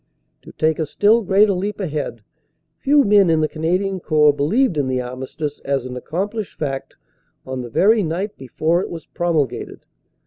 To take a still greater leap ahead, few men in the Canadian Corps believed in the armistice as an accomplished fact on the very night before it was promulgated.